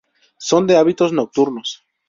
Son de hábitos nocturnos.